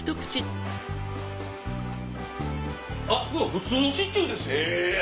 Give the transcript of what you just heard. あっ普通のシチューですよ！